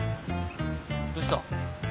どうした？